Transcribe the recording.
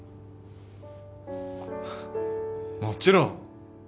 もちろん。